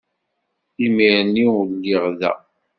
Imir-nni ur lliɣ da.